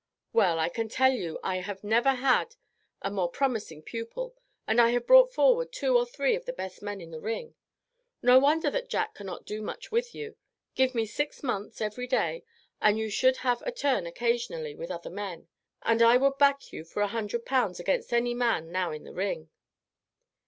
Well, I can tell you I have never had a more promising pupil, and I have brought forward two or three of the best men in the ring; no wonder that Jack cannot do much with you. Give me six months, every day, and you should have a turn occasionally with other men, and I would back you for a hundred pounds against any man now in the ring."